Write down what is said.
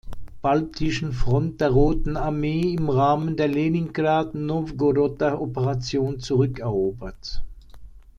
Baltischen Front der Roten Armee im Rahmen der Leningrad-Nowgoroder Operation zurückerobert.